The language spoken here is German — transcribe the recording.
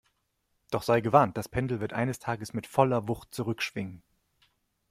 Doch sei gewarnt, das Pendel wird eines Tages mit voller Wucht zurückschwingen!